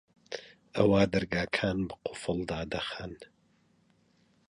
ئەوا دەرگاکان بە قوفڵ دادەخەن